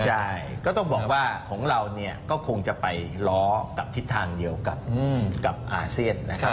ใช่ก็ต้องบอกว่าของเราก็คงจะไปล้อกับทิศทางเดียวกับอาเซียนนะครับ